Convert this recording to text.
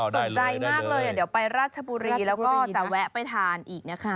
สนใจมากเลยเดี๋ยวไปราชบุรีแล้วก็จะแวะไปทานอีกนะคะ